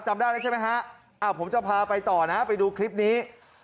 จำได้แล้วใช่ไหมฮะผมจะพาไปต่อนะไปดูคลิปนี้